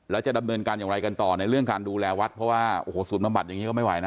แล้วจะดำเนินการอย่างไรกันต่อในเรื่องการดูแลวัดเพราะว่าโอ้โหศูนย์บำบัดอย่างนี้ก็ไม่ไหวนะ